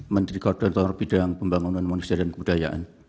menteri koordinator bidang pembangunan manusia dan kebudayaan